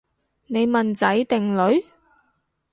你問仔定女？